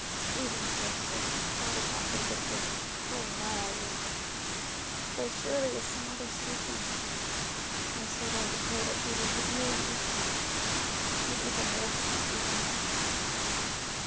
"Even so, sir, God is not vindictive, according to my ideas. There surely is some other solution. I'm still going to pray that He will take me in your stead, even if a miracle must be performed."